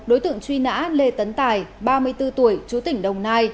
đối tượng truy nã lê tấn tài ba mươi bốn tuổi chú tỉnh đồng nai